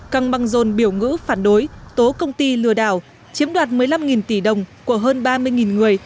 căng băng rồn biểu ngữ phản đối tố công ty lừa đảo chiếm đoạt một mươi năm tỷ đồng của hơn ba mươi người